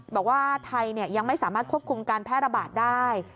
บอกว่าไทยยังไม่สามารถควบคุมการแพร่ระบาดได้